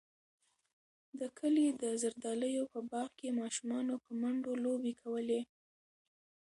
د کلي د زردالیو په باغ کې ماشومانو په منډو لوبې کولې.